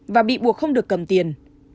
và bị buộc không được cầm tiền